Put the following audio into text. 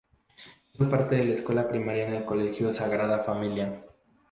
Hizo parte de la escuela primaria en el Colegio Sagrada Familia.